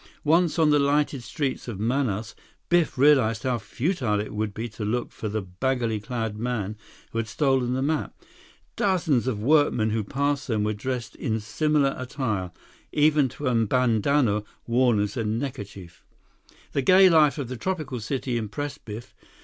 Once on the lighted streets of Manaus, Biff realized how futile it would be to look for the baggily clad man who had stolen the map. Dozens of workmen who passed them were dressed in similar attire, even to a bandanna worn as a neckerchief. The gay life of the tropical city impressed Biff.